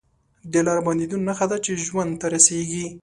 د لارو بندېدو نښه ده چې ژوند ته رسېږي